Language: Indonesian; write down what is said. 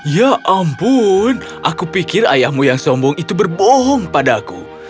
ya ampun aku pikir ayahmu yang sombong itu berbohong padaku